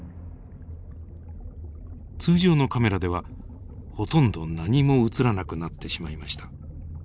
通常のカメラではほとんど何も映らなくなってしまいました。